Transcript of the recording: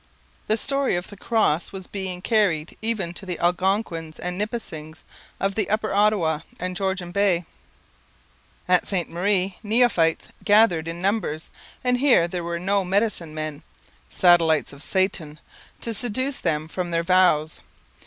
The story of the Cross was being carried even to the Algonquins and Nipissings of the upper Ottawa and Georgian Bay. At Ste Marie neophytes gathered in numbers, and here there were no medicine men, 'satellites of Satan,' to seduce them from their vows.